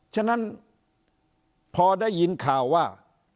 ฉะนั้นพอได้ยินข่าวว่า